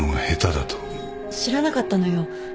知らなかったのよ。